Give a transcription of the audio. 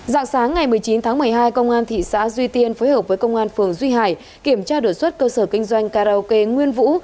dạng sáng ngày một mươi chín tháng một mươi hai công an thị xã duy tiên phối hợp với công an phường duy hải kiểm tra đột xuất cơ sở kinh doanh karaoke nguyên vũ